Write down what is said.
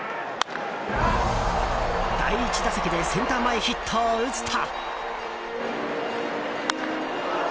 第１打席でセンター前ヒットを打つと。